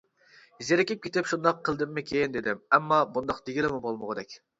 زېرىكىپ كېتىپ شۇنداق قىلدىممىكىن دېدىم، ئەمما بۇنداق دېگىلىمۇ بولمىغۇدەك.